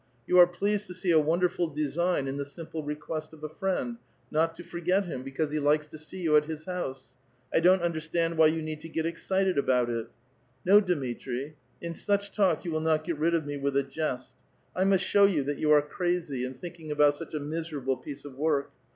You are pleased ^ ^ee a wonderful design in the simple request of a friend, ^^t to forget him, because he likes to see you at his house. ^ou*t understand why you need to get excited about it." ^^ Iso, Dmitri ; in such talk you will not get rid of me with J^st. I must show you that you are crazy, in thinking ^^Ut such a miserable piece of work.